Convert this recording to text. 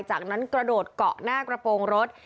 จากนั้นกระโดดเกาะหน้ากระโปรงรถ